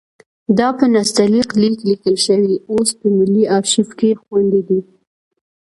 دا په نستعلیق لیک لیکل شوی اوس په ملي ارشیف کې خوندي دی.